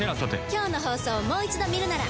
今日の放送をもう一度見るなら。